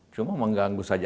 cuma mengganggu saja